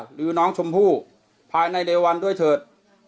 หรือน้องชมพู่ภายในเร็ววันด้วยเถิด